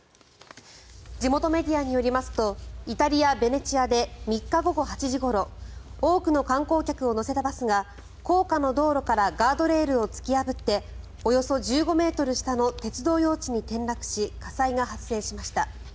地元メディアによりますとイタリア・ベネチアで３日午後８時ごろ多くの観光客を乗せたバスが高架の道路からガードレールを突き破っておよそ１５ｍ下の鉄道用地に転落し火災が発生しました。